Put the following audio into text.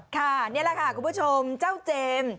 ค่ะนี่แหละค่ะคุณผู้ชมเจ้าเจมส์